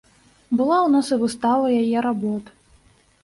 Была ў нас і выстава яе работ.